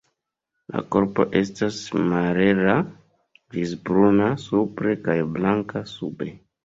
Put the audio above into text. La korpo estas malhela grizbruna supre kaj blanka sube.